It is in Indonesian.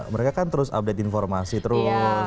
mereka kan terus update informasi terus